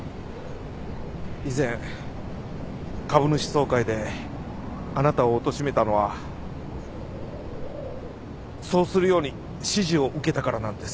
以前株主総会であなたをおとしめたのはそうするように指示を受けたからなんです